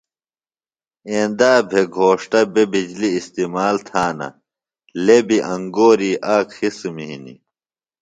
ایندا بھے گھوݜٹہ بےۡ بِجلیۡ استعمال تھانہ لےۡ بیۡ انگوری آک قسم ہنیۡ۔